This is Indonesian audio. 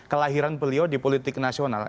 kelahiran beliau di politik nasional